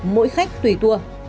mỗi khách tùy tour